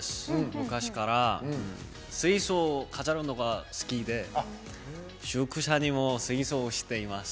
昔から水槽を飾るのが好きで宿舎にも水槽をしています。